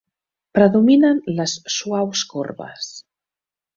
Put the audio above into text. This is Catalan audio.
Predominen les suaus corbes.